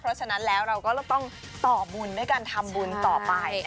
เพราะฉะนั้นแล้วเราก็ต้องต่อบุญด้วยการทำบุญต่อไป